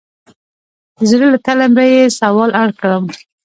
د زړه له تله به یې سوال اړ کړم.